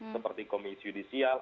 seperti komisi judicial